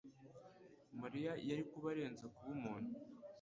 Mariya yari kuba arenze kuba umuntu